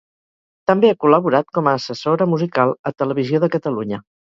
També ha col·laborat com assessora musical a Televisió de Catalunya.